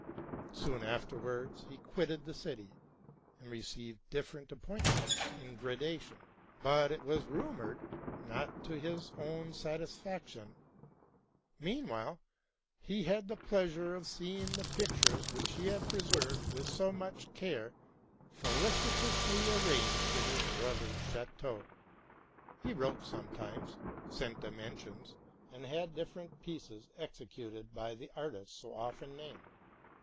Soon afterwards he quitted the city, and received different appointments in gradation, but, it was rumored, not to his own satisfaction. Meantime, he had the pleasure of seeing the pictures which he had preser ved with so much care felici 94 TRUTH AND FICTION tously arranged in his brother's chateau : he wrote sometimes, sent dimensions, and had different pieces executed by the artists so often named.